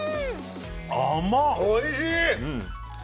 おいしい！